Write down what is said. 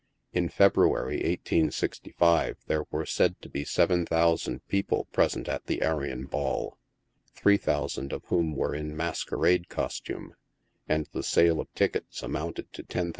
In February, 1865, there were said to be seven thousand people present at the Arion Ball, three thousand of whom were in masquerade costume, and the sale of tickets amounted to $10,000.